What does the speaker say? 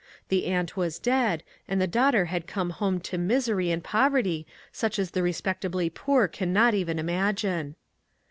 The aunt was dead, and the daughter had come home to misery and poverty such as the respectably poor can not even imagine.